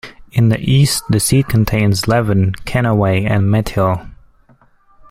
In the east, the seat contains Leven, Kennoway and Methil.